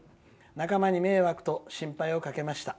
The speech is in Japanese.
仲間に迷惑と心配をかけました。